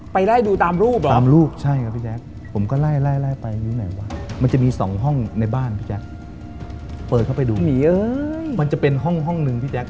ไปไล่ดูตามรูปเหรอ